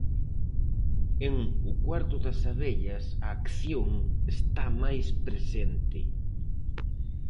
En O cuarto das abellas a acción está máis presente.